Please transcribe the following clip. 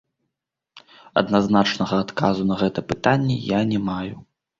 Адназначнага адказу на гэта пытанне я не маю.